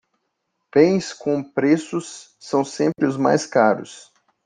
Bens com preços são sempre os mais caros.